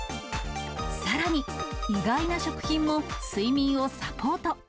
さらに、意外な食品も睡眠をサポート。